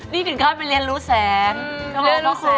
นี่ถึงก็เป็นเรียนรู้แสง